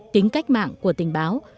tính cách mạng của tình báo